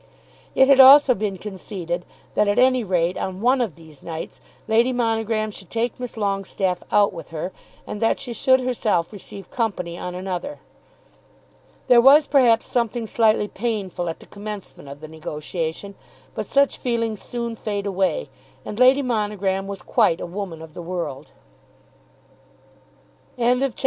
It had also been conceded that at any rate on one of these nights Lady Monogram should take Miss Longestaffe out with her, and that she should herself receive company on another. There was perhaps something slightly painful at the commencement of the negotiation; but such feelings soon fade away, and Lady Monogram was quite a woman of the world. CHAPTER XLV.